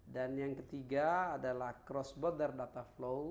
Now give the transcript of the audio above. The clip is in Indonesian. dan yang ketiga adalah cross border data flow